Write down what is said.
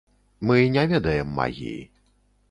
Мы не ведаем магіі.